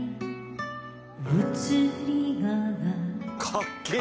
「かっけえ！」